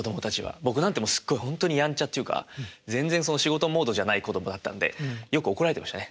僕なんてすっごいほんとにやんちゃっていうか全然仕事モードじゃない子供だったんでよく怒られてましたね。